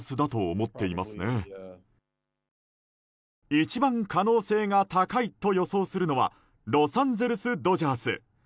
一番可能性が高いと予想するのはロサンゼルス・ドジャース。